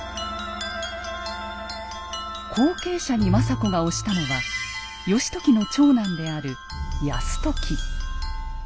後継者に政子が推したのは義時の長男である泰時。